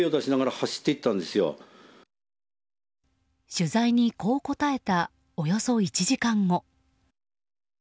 取材にこう答えたおよそ１時間後。